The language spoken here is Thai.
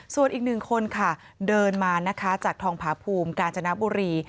ส่วนอีกหนึ่งคนค่ะเดินมานะคะจากทองผาภูมิกาญจนบุรี